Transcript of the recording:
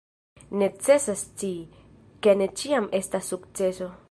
Necesas scii, ke ne ĉiam estas sukceso.